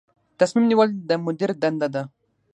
تصمیم نیول د مدیر دنده ده